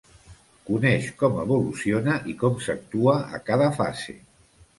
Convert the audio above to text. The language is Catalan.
Coneix com evoluciona i com s'actua a cada fase.